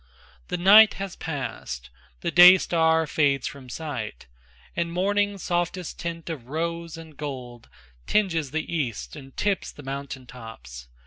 The night has passed, the day star fades from sight, And morning's softest tint of rose and gold Tinges the east and tips the mountain tops.